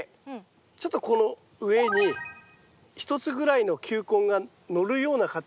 ちょっとこの上に１つぐらいの球根が乗るような形で。